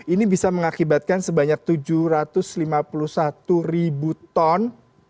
ini bisa mengakibatkan sebanyak tujuh ratus lima puluh satu ribu ton